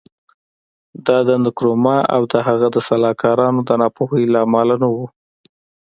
دا د نکرومه او د هغه د سلاکارانو د ناپوهۍ له امله نه و.